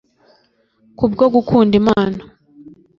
Kubwo gukunda Imana